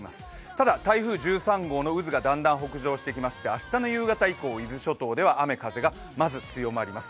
ただ台風１３号の渦がだんだん北上してきまして、明日の夕方以降、伊豆諸島では雨風がまず強まります。